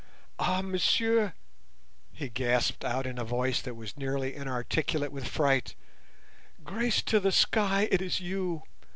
"Ah, monsieur," he gasped out in a voice that was nearly inarticulate with fright, "grace to the sky, it is you!